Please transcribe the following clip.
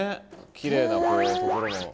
きれいなところも。